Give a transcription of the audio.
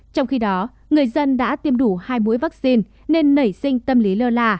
trong khi đó người dân đã tiêm đủ hai mũi vaccine nên nảy sinh tâm lý lơ là